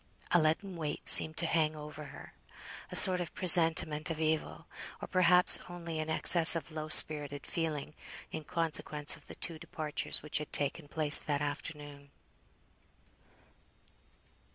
A leaden weight seemed to hang over her; a sort of presentiment of evil, or perhaps only an excess of low spirited feeling in consequence of the two departures which had taken place that afternoon.